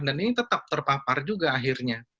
dan ini tetap terpapar juga akhirnya